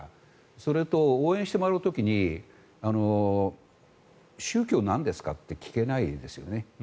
それと、応援してもらう時に宗教、何ですか？って聞けないですよね。